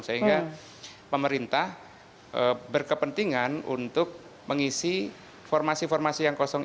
sehingga pemerintah berkepentingan untuk mengisi formasi formasi yang kosong